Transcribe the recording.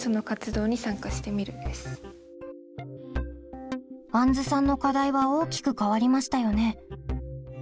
あんずさんの課題は大きく変わりましたよね？